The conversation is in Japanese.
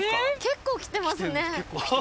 結構来てます。